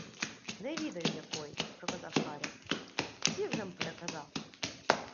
— Не відаю якої, — проказав Харя. — Всі вже-м переказав.